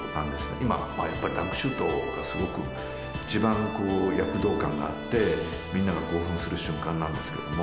今やっぱりダンクシュートがすごく一番躍動感があってみんなが興奮する瞬間なんですけれども。